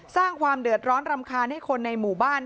สร้างความเดือดร้อนรำคาญให้คนในหมู่บ้าน